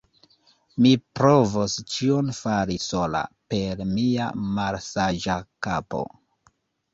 mi provos ĉion fari sola, per mia malsaĝa kapo!